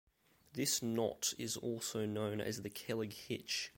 This knot is also known as the kelleg hitch.